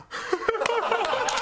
ハハハハ！